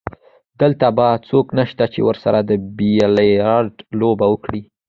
دلته بل څوک نشته چې ورسره د بیلیارډ لوبه وکړي.